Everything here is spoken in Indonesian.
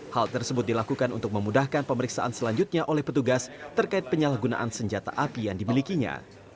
hal tersebut dilakukan untuk memudahkan pemeriksaan selanjutnya oleh petugas terkait penyalahgunaan senjata api yang dimilikinya